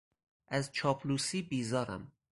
از چاپلوسی بیزارم.